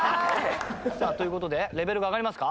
さあという事でレベルが上がりますか？